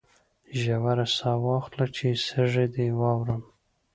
ژوره ساه واخله چې سږي دي واورم